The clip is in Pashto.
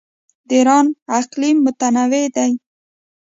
د ایران اقلیم متنوع دی.